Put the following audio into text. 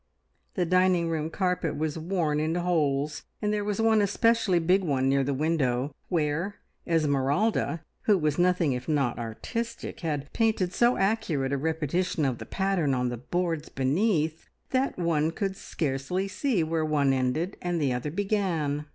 The dining room carpet was worn into holes, and there was one especially big one near the window, where Esmeralda, who was nothing if not artistic, had painted so accurate a repetition of the pattern on the boards beneath that one could scarcely see where one ended, and the other began!